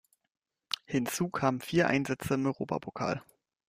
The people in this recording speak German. Hinzu kamen vier Einsätze im Europapokal.